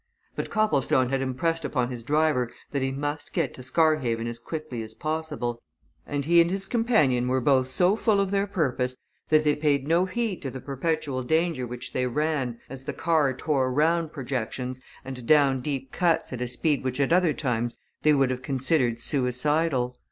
But Copplestone had impressed upon his driver that he must get to Scarhaven as quickly as possible, and he and his companion were both so full of their purpose that they paid no heed to the perpetual danger which they ran as the car tore round propections and down deep cuts at a speed which at other times they would have considered suicidal.